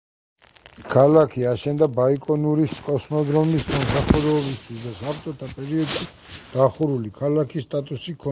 ქალაქი აშენდა ბაიკონურის კოსმოდრომის მომსახურებისთვის და საბჭოთა პერიოდში დახურული ქალაქის სტატუსი ჰქონდა.